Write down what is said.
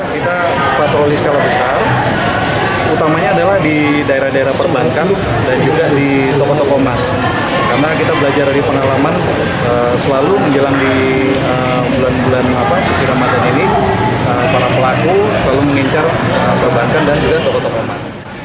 di ramadhan ini para pelaku selalu mengincar perbankan dan juga toko toko emas